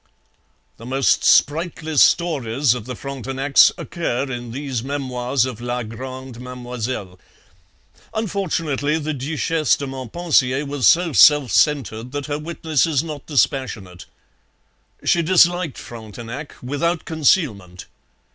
The most sprightly stories of the Frontenacs occur in these Memoirs of La Grande Mademoiselle. Unfortunately the Duchesse de Montpensier was so self centred that her witness is not dispassionate. She disliked Frontenac, without concealment.